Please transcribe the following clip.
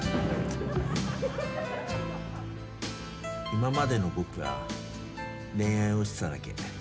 今までの僕は恋愛をしてただけ。